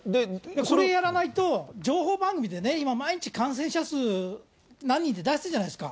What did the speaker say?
それやらないと情報番組でね、今毎日、感染者数、何人って出してるじゃないですか。